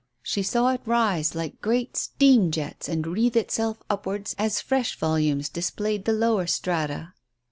She saw it rise like great steam jets and wreath itself upwards as fresh volumes displayed the lower strata.